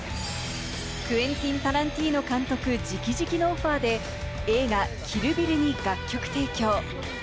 クエンティン・タランティーノ監督から直々のオファーで映画『キル・ビル』に楽曲提供。